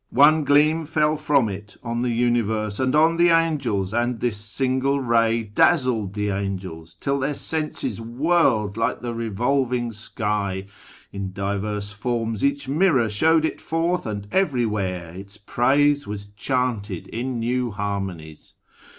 One gleam fell from It on the Universe, And on the angels, and this single ray Dazzled the angels, till their senses whirled Like the revolving sky. In divers forms Each mirror showed It forth, and everywhere Its praise was chanted in new harmonies.